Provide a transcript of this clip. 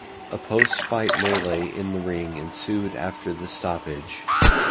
A post-fight melee in the ring ensued after the stoppage.